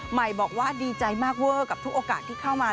ใหม่บอกว่าดีใจมากเวอร์กับทุกโอกาสที่เข้ามา